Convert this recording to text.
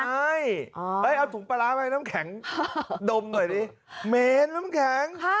ใช่เอาถุงปลาร้าไปน้ำแข็งดมหน่อยดิเมนน้ำแข็ง